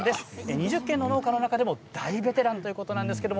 ２０軒の農家の中でも大ベテランです。